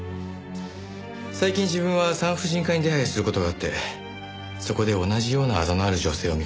最近自分は産婦人科に出入りする事があってそこで同じようなアザのある女性を見かけました。